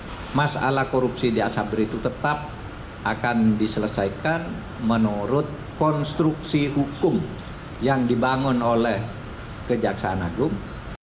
jadi masalah korupsi di asabri itu tetap akan diselesaikan menurut konstruksi hukum yang dibangun oleh kejaksaan agung